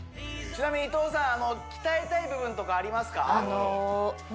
ちなみに伊藤さん鍛えたい部分とかありますか？